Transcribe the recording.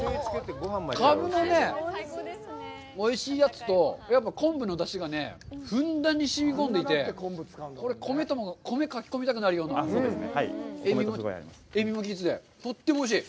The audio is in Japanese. カブのね、おいしいやつと、やっぱ昆布のだしがふんだんにしみ込んでいて、これ、米とも米、かき込みたくなるような、塩味もきいてて、とってもおいしい。